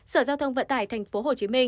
sở giao thông vận tải tp hcm